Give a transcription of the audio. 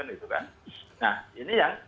nah ini yang